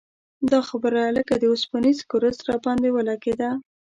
دا خبره لکه د اوسپنیز ګرز راباندې ولګېده.